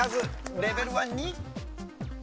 レベルは２。